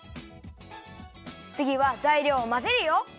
つぎはざいりょうをまぜるよ。